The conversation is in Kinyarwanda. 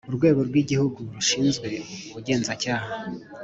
urwego rw’ Igihugu rushinzwe Ubugenzacyaha